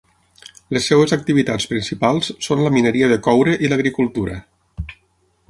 Les seves activitats principals són la mineria de cobre i l'agricultura.